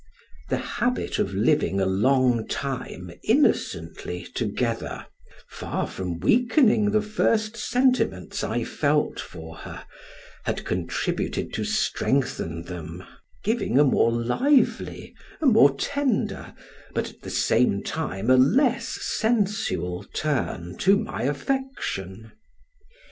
The habit of living a long time innocently together, far from weakening the first sentiments I felt for her, had contributed to strengthen them, giving a more lively, a more tender, but at the same time a less sensual, turn to my affection.